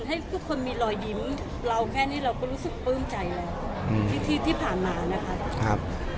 ให้ทุกคนมีรอยยิ้มเราแค่นี้เราก็รู้สึกปลื้มใจแล้วที่ผ่านมานะคะ